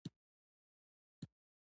همدردي ولې پکار ده؟